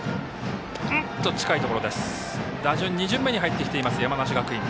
打順２巡目に入ってきています山梨学院。